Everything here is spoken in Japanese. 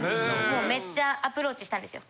もうめっちゃアプローチしたんですよ。